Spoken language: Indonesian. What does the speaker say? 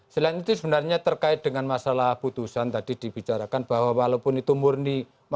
selain itu sebenarnya terkait dengan masalah putusan tadi dibicarakan bahwa walaupun itu murni